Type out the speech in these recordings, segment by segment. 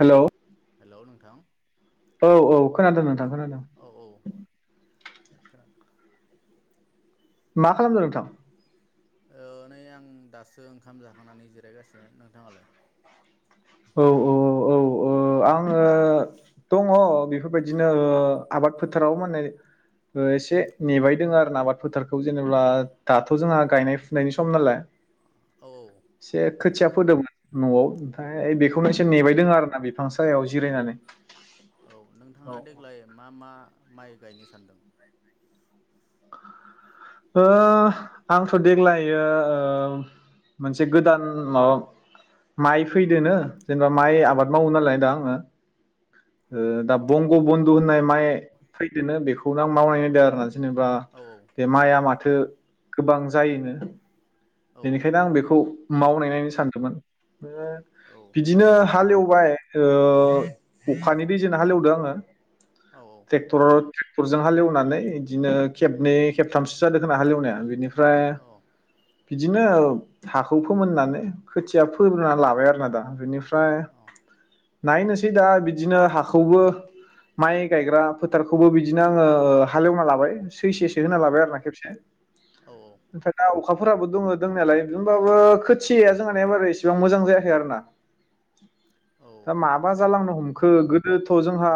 Hello, hello नोंथां औ औ खोनादों औ नोंथां खोनादों औ औ [unintelligible] मा खालामदों नोंथां ओ नै आं दासो ओंखाम जाखांनानै जिरायगासिनो नोंथाङालाय औ औ औ औ ओ आङो दङ बेफोरबायदिनो ओ आबाद फोथाराव माने ओ एसे नेबाय दोङो आरो ना आबाद फोथारखौ जेनेबा दाथ जोंहा गायनाय फुनायनि सम नालाय औ एसे खोथिया फोदोंमोन न'आव औ ओमफ्राय बेखौनो एसे नेबायदों आरोना बे औ औ औ नोंथाङा देग्लाय मा मा माइ गायनो सानदों ओ आंथ देग्लायो ओ मोनसे गोदान माबा माइ फैदोनो जेनेबा माइ आबाद मावो नालाय दा आङो ओ दा बंग औ बन्धु होननाय माइ फैदोनो बेखौनो आं मावनाय नायदों आरो ना जेनेबा औ बे माया मा थो गोबां जायोनो औ बेनिखायनो आं बेखौ मावनायनायनो सानदोंमोन बिदिनो औ बिदिनो हालेव बाय ओ अखानि दैजोंनो हालेवदों आंङो औ टेक्टर ट्रेक्टरजों हालेवनानै इदिनो खेबनै खेबथामसो जादों खोमा हालेवनाया बेनि फ्राय औ बिदिनो हाखौ फोमोननानै खोथिया फोग्रोना लाबाय आरोना दा बिनि फ्राय औ नायनोसै दा बिदिनो हाखौबो माइ गायग्रा फोथारखौबो बिदिनो आंङो हालेवना लाबाय सैसेसो औ होना लाबाय आरो ना खेबसे औ ओमफ्राय दा फोराबो दंङो दंनायालाय होमबाबो खोथिया जोंहानिया एबारो एसेबां मोजां जायाखै आरोना दा माबा जालांनो हमखो गो दोथ औ जोंहा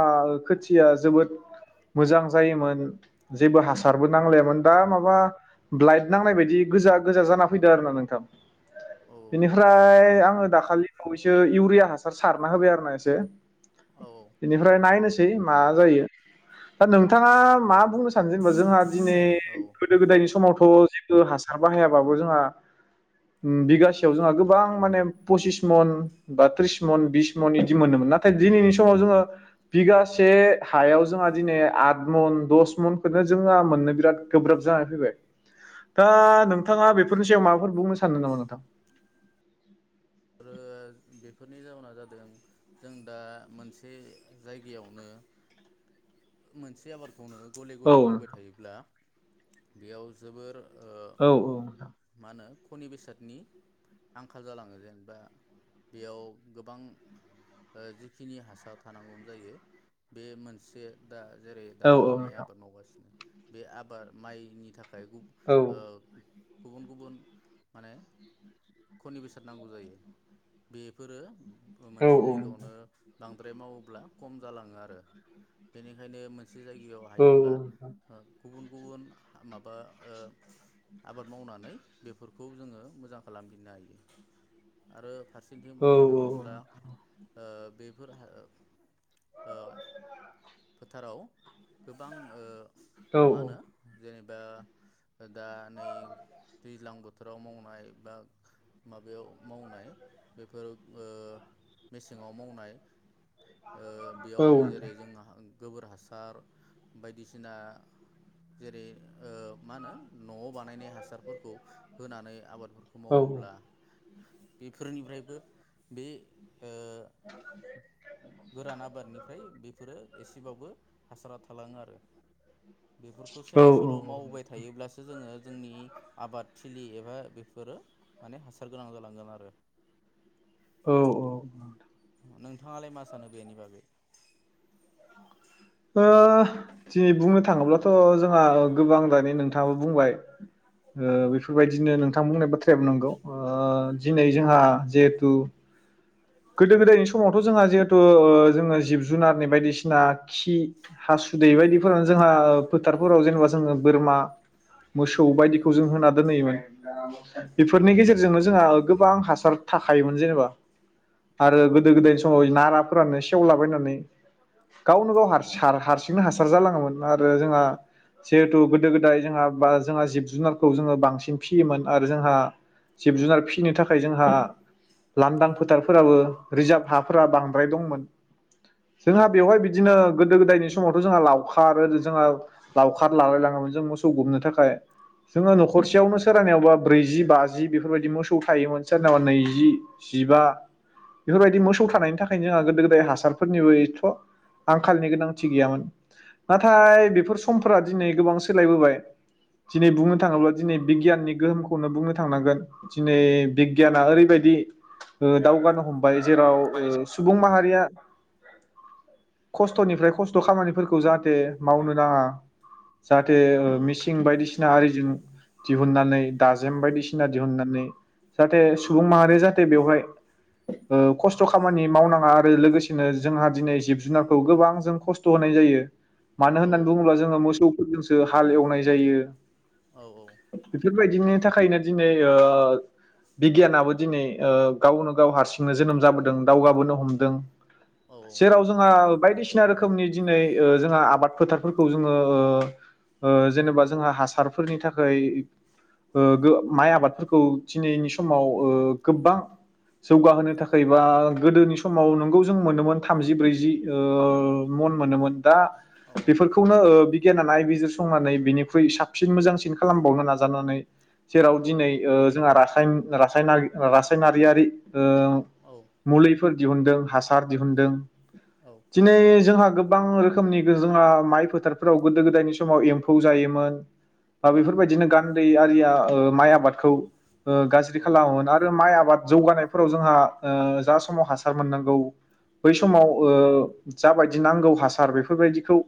खोथि खिया जोबोद मोजां जायोमोन जेबो औ हासारबो नांलायामोन दा माबा ब्लाइट नांनाय बायदि गोजा गोजा जाना फैदो आरो ना नोंथां। बेनिफ्राय आंङो दाखालि बावयैसो इउरिया हासार सारना होबाय आरो ना एसे। आरो बेनिफ्राय नायनो सै मा जायो। नोंथाङा मा बुंनो सानो जेनेबा? जोंहा दिनै गोदो गोदायनि समाव थ' जेतु हासार बाहायाबाबो जोंहा उम बिगासेयाव जोंहा गोबां माने पसिस मन बा त्रिस मन बिस मन बिदि मोनोमोन नाथाय दिनैनि समाव जोंङो बिगासे हायाव जोंहा दिनै आद मन दस मनखौनो जोंहा मोननो बिराद गोब्राब जानानै फैबाय। दा नोंथांङा बेफोरनि सायाव माबाफोर बुंनो सानदों नामा नोंथां? आरो बेफोरनि जाउना जादों जों दा मोनसे जायगायावनो मोनसे आबाद खौनो गले औ गले मावबाय नोंथां थायोब्ला बेयाव जोबोर ओ औ औ नोंथां मा होनो खनि बेसादनि आंखाल जालाङो जेनबा बा बेयाव गोबां ओ जिखिनि हसार थानांगौ जायो बे मोनसे दा जेरै औ दा औ माइ नोंथां औ आबाद मावगासिनो बे आबाद माइनि था औ गुबुन गुबुन माने खनि बेसाद नांगौ जायो। बेफोरो ओ औ मोनसे नोंथां जायगायावनो बांद्राय मावोब्ला खम जालाङो आरो बेनिखायनो मोनसे जायगायाव औ हायोब्ला गुबुन गुबुन माबा ओ आबाद मावनानै बेफोरखौ जोङो मोजां खालामफिननो हायो। आरो फार सेथिं औ बुंनो औ थाङोब्ला ओ बेफोर हा ओ फोथाराव गोबां ओ मा होनो जेनेबा दा दा नै दैज्लां बोथोराव मावनाय बा माबायाव मावनाय बेफोर ओ मेसेङाव मावनाय ओ बेयाव नोंथां जेरै जों गोबोर हासार बायदिसिना जेरै- ओ मा होनो न'आव बानायनाय हासारफोरखौ होनानै आबाद बेफोरखौ औ मावोब्ला बेफोरनिफ्रायबो बे ओ गोरान आबादनिफ्राय बेफोरो एसेबाबो हासारा थालाङो आरो बेफोरखौ औ सोलाय सोल' मावबाय थायोब्लासो जोङो जोंनि आबाद थिलि एबा बेफोरो माने हासार गोनां जालांगोन आरो औ औ नोंथाङालाय मा सानो बेनि बागै ओ दिनै बुंनो थाङोब्लाथ' जोंहा गोबां दानि नोंथाङाबो बुंबाय ओ औ बेफोरबायदिनो नोंथां बुंनाय बाथ्रायाबो नांगौ दिनै जोंहा जिहेथु गोदो गोदायनि समावथ' जोंहा जिहेथु ओ जोङो जिब जुनारनि बायदिसिना खि हासुदै बायदिफोरावनो जोंहा फोथारफोराव जेनेबा जोङो बोरमा मोसौ बायदिखौ औ जों होना दोनहैयोमोन दा औ बेफोरनि गेजेरजोंनो जोंहा ओ गोबां हासार थाखायोमोन जेनेबा औ आरो गोदो गोदायनि समाव थायोमोन नाराफोरानो सेव सेवला बायनानै गावनो गाव औ हारसि- हारसिंनो हार हासार जालाङोमोन आरो जोंहा जिहेथु गोदो गोदाय जोंहा बा जोंहा जिब जुनारखौ जोङो बांसिन फियोमोन आरो जोंहा जिब औ जुनार फिसिनो थाखाय जोंहा दा लान्दां फोथार खो फोराबो रिजार्भ हा फोर फोर बांद्राय दंमोन औ जोंहा बेवहाय बिदिनो गोदो गोदायनि समावथ' जोंहा लावखार जोंहा लावखार लालाय लाङोमोन जों मोसौ गुमनो थाखाय औ जोङो न'खरसेयावनो सोर आनावबा ब्रैजि बाजि बेफोरबायदि मोसौ थायोमोन सोरनावबा नैजि जिबा बेफोरबायदि मोसौ थानायनि थाखायनो जोंहा गोदो गोदाय हासारफोरनिबो एथ' आंखालनि गोनांथि गैयामोन। नाथाय औ बेफोर समफोरा दिनै गोबां सोलायबोबाय दिनै बुंनो औ थाङोब्ला दिनै बिगियाननि गोहोमखौनो बुंनो थांनांगोन दिनै बिगियाना औ ओरैबायदि ओ दावगानो हम बाय हमबाय जेराव औ सुबुं माहारिया खस्थ'निफ्राय खस्थ' खामानिफोरखौ जाहाथे मावनो नाङा जाहाथे मिसिं बायदिसिना सिना आरिजों दिहुननानै औ दाजेम बायदिसिना दिहुननानै [inaudible] जाहाथे सुबुं माहारि जाहाथे। बेवहाय। खस्थ' खामानि मावनाङा आरो लोगोसेनो जोंहा दिनै जिब जुनारखौ गोबां जों खस्थ' होनाय जायो। मानो औ होन्नानै बुङोब्ला नंगौ जोङो मोसौफोरजों जो हाल एवनाय जायो। औ औ बि। बेबायदिनि थाखायनो दिनै बिगियानाबो दिनै गावनो। गाव हारसिंनो जोनोम जाबोदों दावगाबोनो हमदों। औ जेराव जोंहा। बायदिसिना रोखोमनि दिनै जोंहा आबाद फोथारफोरखौ जोङो जेनेबा जोंहा हासारफोरनि थाखाय माइ आबादफोरखौ दिनैनि समाव गोबां। जौगाहोनो थाखायबा गोदोनि समाव नोंगौ जों मोनोमोन थामजि ब्रैजि ओ मन मोनोमोन दा। औ बेफोरखौनो। गैया नालाय बेजों समानै बिनिख्रुइ साबसिन मोजांसिन खालामबावनो नाजानानै। जेराव औ दिनै जोंहा रासाय। रासायनारियारि। मुलिफोर। फोर दिहुनदों हासार दिहुनदों। दिनै जोंहा। गोबां रोखोमनि जोंहा माइ फोथारफोराव गोदो गोदायनि समाव एम्फौ जायोमोन। ओ बेफोरबायदिनो गान्दै आरिया। माइ आबादखौ। गाज्रि औ खालामोमोन आरो माइ आबाद। जौगानाय। फोराव जोंहा जा समाव हासार मोननांगौ। बै औ समाव। औ जाबायदि नांगौ हासार बेफोरबायदिखौ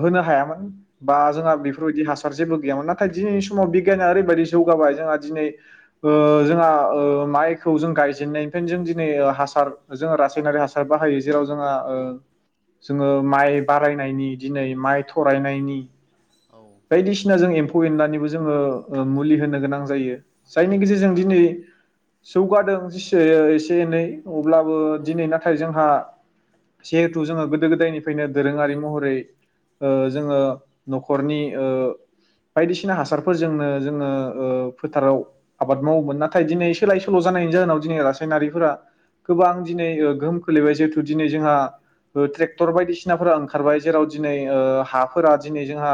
होनो हायामोन। बा औ जोंहा नंगौ बेफोरबायदि हासार जेबो गैयामोन ना। नाथाय दिनैनि समाव बिगियाना ओरैबायदि जौगाबाय जोंहा दिनै जोंहा माइ। जों गायजेनायनिफ्रायनो जों दिनै हासार जोंङो रासायनारि हासार बाहायो जेराव जोंहा औ जोङो माइ बारायनायनि दिनै माइ थरायनायनि। औ बायदिसिना जों। एमफौ एनलानिबो जोङो मुलि होनो गोनां जायो। जायनि औ गेजेरजों हा दिनै। जौगादों जेनेबा एसे एनै। अब्लाबो औ दिनै नाथाय जोंहा। जिहेथु जोङो गोदो गोदायनिफ्रायनो दोरोङारि महरै ओ जोङो नख'रनि बायदिसिना हासारफोरजोंनो जोङो ओ फोथाराव आबाद मावोमोन नाथाय दिनै सोलाय सोल' जानायनि जाहोनाव दिनै रासायनारिफोरा गोबां औ दिनै गोहोम खोलैबाय जेथु दिनै जोंहा ट्रेकटर बायदिसिनाफोरा ओंखारबाय जेराव दिनै ओ हाफोरा दिनै जोंहा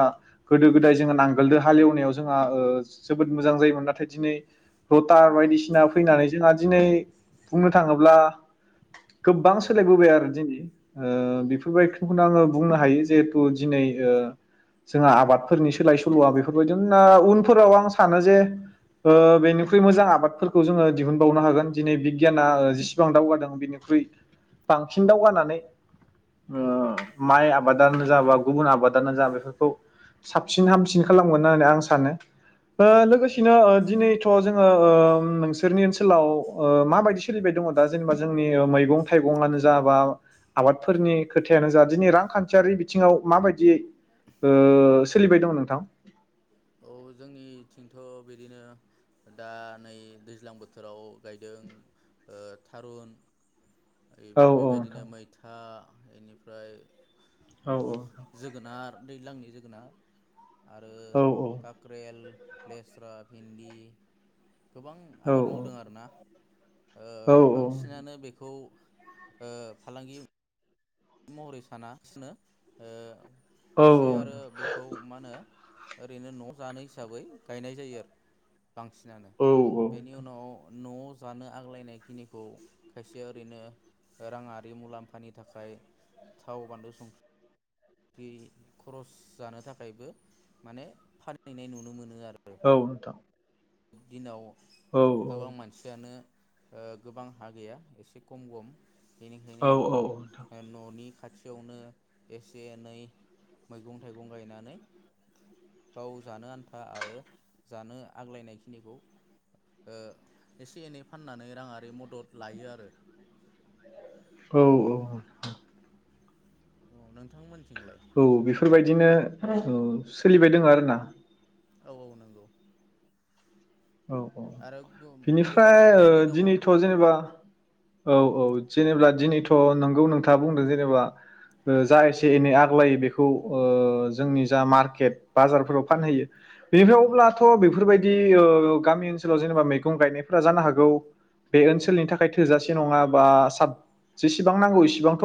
गोदो गोदाय जोङो नांगोलजों हालेवनायाव जोंहा ओ जोबोद मोजां जायोमोन नाथाय दिनै लथार औ बायदिसि एवनानै जोंहा दिनै बुंनो थाङोब्ला गोबां औ सोलायबोबाय आरो दिनै। ओ औ बेफोरबायदिखौनो आंङो बुंनो हायो जिहेथु दिनै ओ जोंहा आबादफोरनि सोलाय सोल'आ बेफोरबायदिनो ओ उनफोराव आं सानो जे ओ बेनिख्रुइ मोजां आबादफोर खौ जोङो दिहुनबावनो हागोन दिनै बिगियाना ओ जेसेबां दावगादों बिनिख्रुइ बांसिन औ दावगानानै ओ माइ आबाद जा बा गुबुन आबादानो जा बेफोरखौ साबसिन हामसिन खालामगोन होननानै आं सानो ओ औ लोगोसेनो ओ दिनैथ' जोंङो ओ नोंसोरनि ओनसोलाव ओ माबायदि सोलिबाय दङ दा जेनेबा जोंनि मैगं थाइगंआनो जा बा आबादफोरनि खोथायानो जा दिनै रांखान्थियारि बिथिङाव ओ माबायदि सोलिबाय दङ नोंथां? औ जोंनिथिंथ' बिदिनो दा नै दैज्लां बोथोराव गायदों ओ थारुन। औ औ बेबायदिनो नोंथां मैथा। इनिफ्राय औ औ नोंथां जोगोनार। दैलांनि जोगोनार आर औ औ खाख्रेल लेस्रा भिन्दि गोबां आबाद औ औ मावदों आरोना औ ओ बांसिनानो बेखौ ओ फालांगि महरै सानासिनो ओ खायसे आरो बेखौ मा होनो ओरैनो न' जानो हिसाबै गायनाय जायो आरो। बांसिनानो औ बेनि उनाव न'आव जानो आग्लायनाय खिनिखौ खायसे ओरैनो राङारि मुलाम्फानि थाखाय थाव बान्लु सं ख्रि खरस जानो थाखायबो माने फानहैनाय नुनो मोनो आरो। औ नोंथां। दिनाव औ औ औ नोंथां औ गोबां मानसियानो ओ गोबां हा गैया एसे खम गम। बेनिखायनो न'नि खाथ खाथियावनो एसे एनै मैगं थाइगं गायनानै गाव जानो आन्था आरो जानो आग्लायनाय खिनिखौ ओ एसे एनै फाननानै राङारि मदद लायो आरो। औ औ। औ नोंथां मोननिथिं औ बेफोरबायदिनो सोलिबाय दङ आरो ना। औ औ नंगौ औ औ आरो गोबां बिनिफ्राय ओ फालांगि दङ औ दिनैथ' औ जेनेबा औ औ जेनेबा दिनैथ' थ' नोंगौ नोंथाङा बुंदों जेनेबा जा एसे एनै आग्लायो बेखौ ओ जोंनि जा मार्केट बाजारफोराव फानहैयो बेनिफ्राय औ अब्लाथ' बेफोरबायदि दि ओ गामि ओनसोलाव जेनेबा मैगं गायनायफोरा जानो हागौ बे औ ओनसोलनि थाखाय थोजासे नङा बा साब जेसेबां नांगौ इसेबांथ'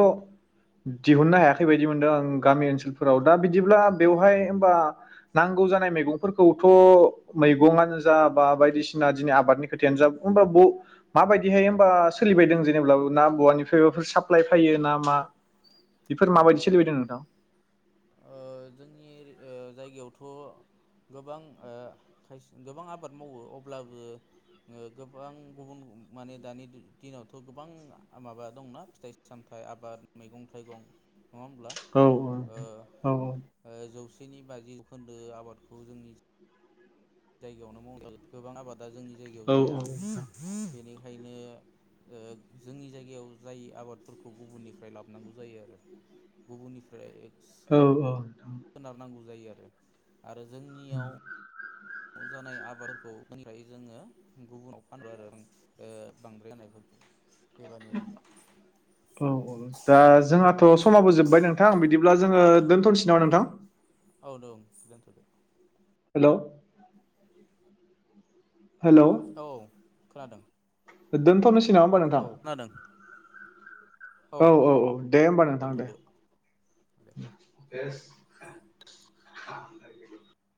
दिहुननो औ हायाखै बायदि मोनदों आं गामि ओनसोल फोराव दा बिदिब्ला बेवहाय होमबा नांगौ जानाय मैंफोरखौथ' मैगंनो जा बा बायदिसिना आबादनि खोथायानो जा हबा माबायदिहाय हबा सोलिबायदों जेनेबा ना बवानिफ्राय सापइ फायो ना मा बेफोर माबायदि औ दा सोलिबायदों नोंथां ओ जोंनि ओ जायगायावथ' गोबां ओ खाय गोबां आबाद मावो अब्लाबो ओ गोबां गुबुन माने दानि दिनावथ' गोबां माबा दंना फिथाइ सामथाइ आबाद मैगं थाइगं नङा होमब्ला औ ओ औ ओ जौसे सेनि बाजिजोखोन्दो आबादखौ जोंनि जायगायावनो मंगाल गोबां आबाद दा जोंनि जायगायाव जाया औ नोंथां बेनि बखायनो जोंनि जायगायाव जाय आबादफोरखौ गुबुननिफ्राय लाबोनांगौ जायो आरो गुबुननिफ्राय औ औ सोनारनांगौ जायो आरो आरो जोंनियाव न' जानाय आबादफोरखौनिफ्राय जोङो गुबुनाव फान आरो ओ बांद्राय होनायफोरखौ बेबादिनो औ औ दा जोंहाथ' समाबो जोब्बाय नोंथां बिदिब्ला जोङो दोन्थ'नोसै नामा नोंथां औ दं दोथ'दो हेल' हेल' औ खोनादों दोनथ'नोसै नामा नङा होनोमबा नोंथां औ खोनादों औ औ औ दे होमबा नोंथां दे [unintelligible]